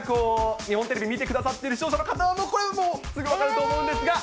日本テレビ見てくださっている視聴者の方ならすぐ分かると思いますが。